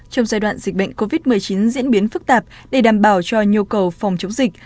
trong giai đoạn dịch bệnh covid một mươi chín diễn biến phức tạp để đảm bảo cho nhu cầu phòng chống dịch